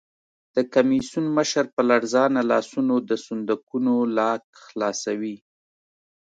د کمېسیون مشر په لړزانه لاسونو د صندوقونو لاک خلاصوي.